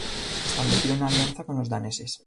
Estableció una alianza con los daneses.